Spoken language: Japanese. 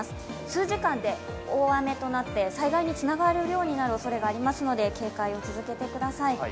数時間で大雨となって災害につながる量になるおそれがありますので警戒を続けてください。